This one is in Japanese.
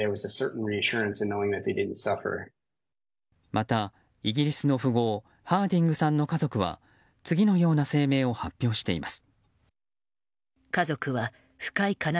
また、イギリスの富豪ハーディングさんの家族は次のような声明を発表しています。